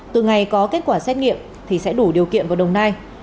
từ ngày có kết quả xét nghiệm thì sẽ đủ điều kiện vào đồng nai